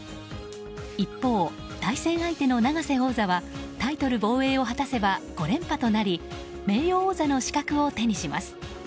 一方、対戦相手の永瀬王座はタイトル防衛を果たせば５連覇となり名誉王座の資格を手にします。